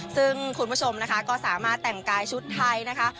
ซึ่งคุณผู้ชมนะคะก็สามารถแต่งกายชุดไทยนะคะ